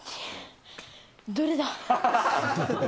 １、どれだ。